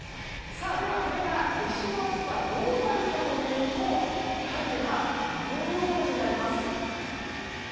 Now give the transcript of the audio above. ではこれが夏至の明日はどうなるかというと影は、このようになります。